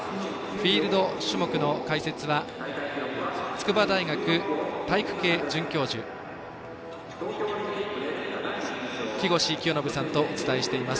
フィールド種目の解説は筑波大学体育系准教授木越清信さんとお伝えしています。